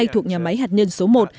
thuộc nhà máy hạt nhân số một